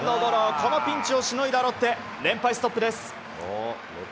このピンチをしのいだロッテ連敗ストップです。